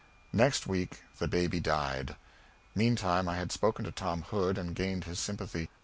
Next week the baby died. Meantime I had spoken to Tom Hood and gained his sympathy.